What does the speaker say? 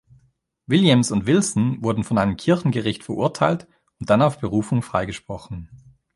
Williams und Wilson wurden von einem Kirchengericht verurteilt und dann auf Berufung freigesprochen.